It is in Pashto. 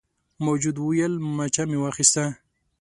موجود وویل مچه مې واخیسته.